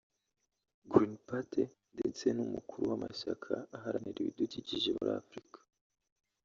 Green Party ndetse ni umukuru w’amashyaka aharanira ibidukikije muri Afrika